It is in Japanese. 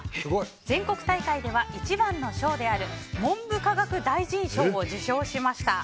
全国大会では１番の賞である文部科学大臣賞を受賞しました。